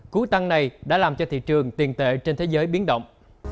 cú tăng này đã làm cho thị trường tiền tệ trên thế giới biến động